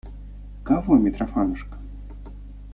Кого, Митрофанушка?